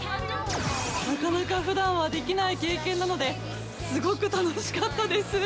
なかなか普段はできない経験なのですごく楽しかったです。